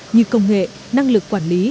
như công nghệ năng lực quản lý